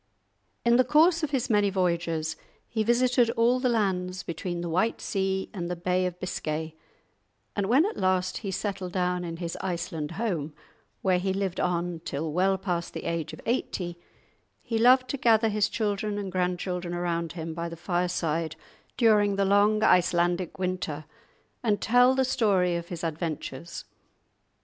In the course of his many voyages, he visited all the lands between the White Sea and the Bay of Biscay, and when at last he settled down in his Iceland home, where he lived on till well past the age of eighty, he loved to gather his children and grandchildren around him by the fireside during the long Icelandic winter, and to tell the story of his adventures.